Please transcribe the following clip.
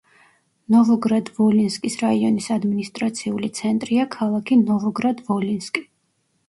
ნოვოგრად-ვოლინსკის რაიონის ადმინისტრაციული ცენტრია ქალაქი ნოვოგრად-ვოლინსკი.